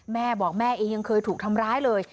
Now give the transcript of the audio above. แม่บอกแม่เองยังเคยถูกทำร้ายเลย